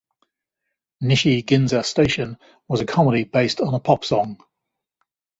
"Nishi Ginza Station" was a comedy based on a pop-song.